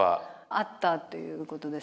あったということですね。